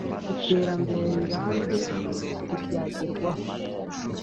Iterambere rirambye ntiryagerwaho